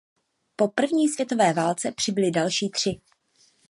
Po první světové válce přibyly další tři.